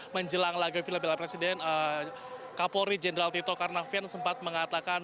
menjelang laga film piala presiden kapolri jenderal tito karnavian sempat mengatakan